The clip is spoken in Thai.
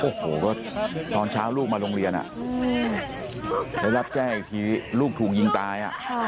โอ้โหก็ตอนเช้าลูกมาโรงเรียนได้รับแจ้งอีกทีลูกถูกยิงตาย